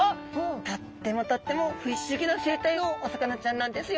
とってもとってもフィッシュギな生態のお魚ちゃんなんですよ。